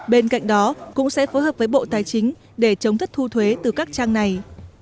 bên cạnh đó cũng sẽ phối hợp với bộ tài chính để chống thất thu thuế từ các trang này